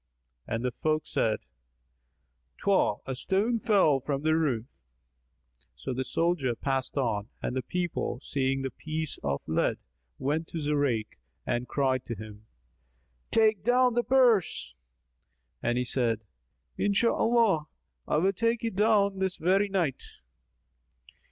and the folk said, "'Twas a stone fell from the roof." So the soldier passed on and the people, seeing the piece of lead, went up to Zurayk and cried to him, "Take down the purse!"; and he said, "Inshallah, I will take it down this very night!"